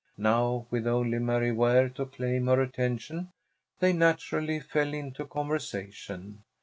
Now, with only Mary Ware to claim her attention, they naturally fell into conversation.